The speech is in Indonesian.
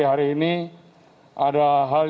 hari ini ada hal